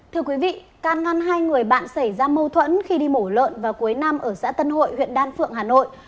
thưa quý vị can ngăn hai người bạn xảy ra mâu thuẫn khi đi mổ lợn vào cuối năm ở xã tân hội huyện đan phượng hà nội